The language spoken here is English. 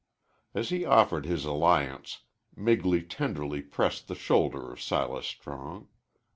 As he offered his alliance, Migley tenderly pressed the shoulder of Silas Strong.